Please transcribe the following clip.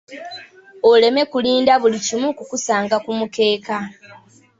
Oleme kulinda buli kimu kukusanga ku mukeeka.